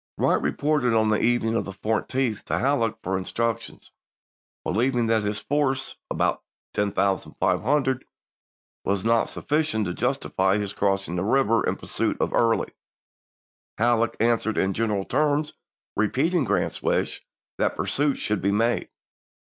Wright reported on the evening of the 14th to Halleck for instructions, believing that his force, about 10,500, was not sufficient to justify his cross ing the river in pursuit of Early. Halleck an swered in general terms repeating Grant's wish that pursuit should be made.